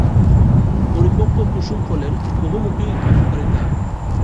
পরিপক্ব কুসুম ফলের বহুমুখী উপকারিতা।